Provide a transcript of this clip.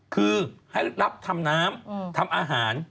คือให้รับทำน้ำทำอาหาร